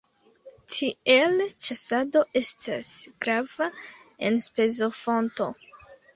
Tiele ĉasado estas grava enspezofonto.